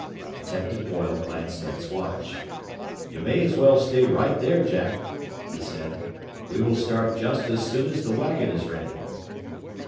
Detective Boyle glanced at his watch. "You may as well stay right there, Jack," he said. "We will start just as soon as the wagon is ready."